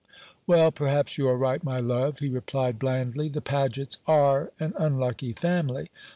"Well, perhaps you are right, my love," he replied blandly; "the Pagets are an unlucky family.